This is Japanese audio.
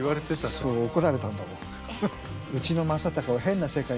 そう怒られたんだもん